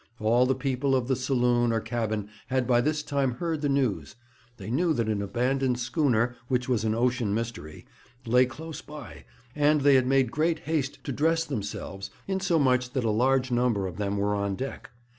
All the people of the saloon or cabin had by this time heard the news; they knew that an abandoned schooner, which was an ocean mystery, lay close by, and they had made great haste to dress themselves, insomuch that a large number of them were on deck.